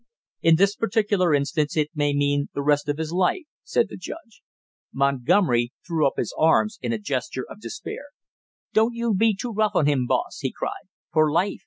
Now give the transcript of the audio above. "In this particular instance it may mean the rest of his life," said the judge. Montgomery threw up his arms in a gesture of despair. "Don't you be too rough on him, boss!" he cried. "For life!"